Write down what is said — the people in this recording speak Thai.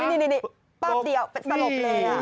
นี่แป๊บเดียวเป็นสลบเลย